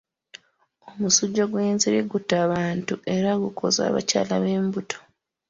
Omusujja gw'ensiri gutta abantu era gukosa abakyala b'embuto.